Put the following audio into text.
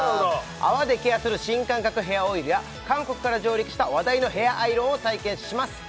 泡でケアする新感覚ヘアオイルや韓国から上陸した話題のヘアアイロンを体験します